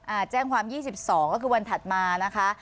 แจ้งความยี่สิบสองก็คือวันถัดมานะคะ